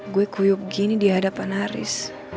gue kuyuk gini di hadapan haris